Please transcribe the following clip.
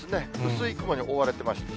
薄い雲に覆われてました。